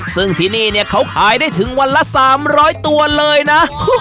ซึ่งที่นี่เนี่ยเขาขายได้ถึงวันละ๓๐๐ตัวเลยนะ